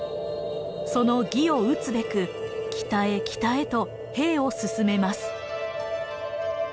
その魏を討つべく北へ北へと兵を進めます。